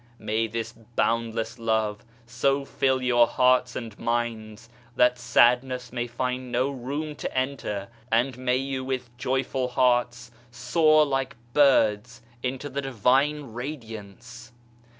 May this boundless love so fill your hearts and minds that sadness may find no room to enter, and may you with joyful hearts soar like birds into the Divine Radiance.